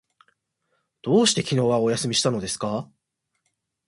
どうして昨日はお休みしたのですか？